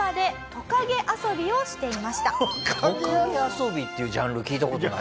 トカゲ遊びっていうジャンル聞いた事ないな。